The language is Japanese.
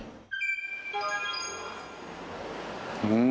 うん。